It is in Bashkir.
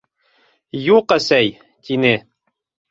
— Юҡ, әсәй, — тине.